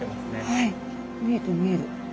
はい見える見える。